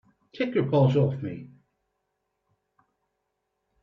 Take your paws off me!